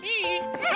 うん！